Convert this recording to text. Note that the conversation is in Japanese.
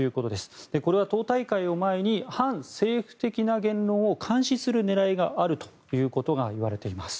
これは党大会を前に反政府的な言論を監視する狙いがあるということがいわれています。